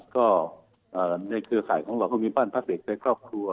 ก็ในเครือข่ายของเราก็มีบ้านพักเด็กในครอบครัว